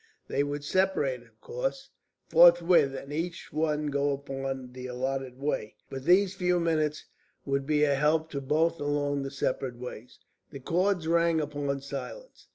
They would separate, of course, forthwith, and each one go upon the allotted way. But these few minutes would be a help to both along the separate ways. The chords rang upon silence.